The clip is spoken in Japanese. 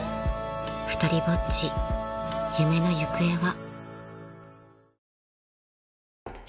［２人ぼっち夢の行方は］